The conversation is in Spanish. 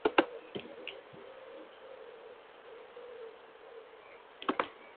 El escudo de la ciudad tiene los colores rojo y blanco.